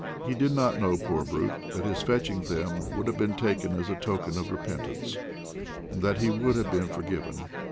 He did not know, poor brute, that his fetching them would have been taken as a token of repentance, and that he would have been forgiven.